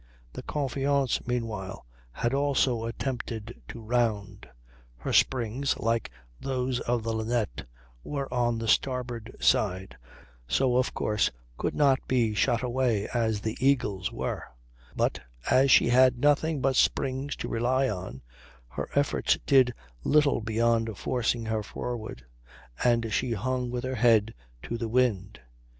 The Confiance meanwhile had also attempted to round. Her springs, like those of the Linnet, were on the starboard side, and so of course could not be shot away as the Eagle's were; but, as she had nothing but springs to rely on, her efforts did little beyond forcing her forward, and she hung with her head to the wind.